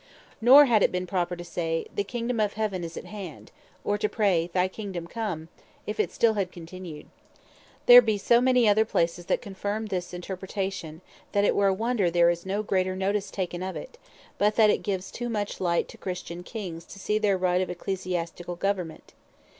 Nor had it been proper to say, "The Kingdome of Heaven is at hand," or to pray, "Thy Kingdome come," if it had still continued. There be so many other places that confirm this interpretation, that it were a wonder there is no greater notice taken of it, but that it gives too much light to Christian Kings to see their right of Ecclesiastical Government.